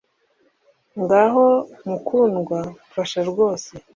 Ngaho mukundwa mfasha rwose